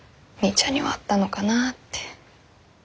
ちゃんにはあったのかなって。